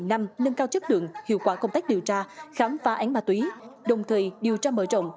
năm nâng cao chất lượng hiệu quả công tác điều tra khám phá án ma túy đồng thời điều tra mở rộng